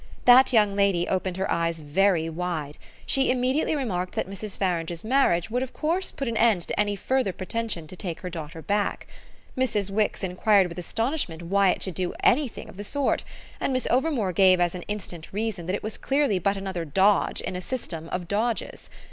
That young lady opened her eyes very wide; she immediately remarked that Mrs. Farange's marriage would of course put an end to any further pretension to take her daughter back. Mrs. Wix enquired with astonishment why it should do anything of the sort, and Miss Overmore gave as an instant reason that it was clearly but another dodge in a system of dodges.